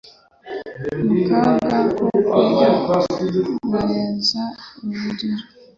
mu kaga ko kurya nkarenza urugero!